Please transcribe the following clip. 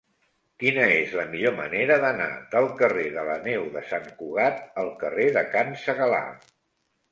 Quina és la millor manera d'anar del carrer de la Neu de Sant Cugat al carrer de Can Segalar?